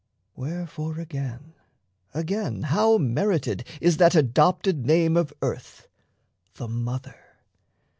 Wherefore, again, again, how merited Is that adopted name of Earth The Mother!